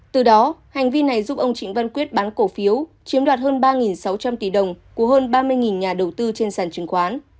từ đó hành vi này giúp ông trịnh văn quyết bán cổ phiếu chiếm đoạt hơn ba sáu trăm linh tỷ đồng của hơn ba mươi nhà đầu tư trên sàn chứng khoán